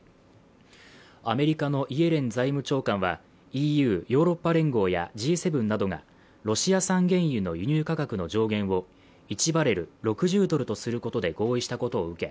アメリカのイエレン財務長官はＥＵ＝ヨーロッパ連合やＧ７などがロシア産原油の輸入価格の上限を１バレル＝６０ドルとすることで合意したことを受け